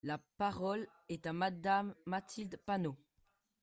La parole est à Madame Mathilde Panot.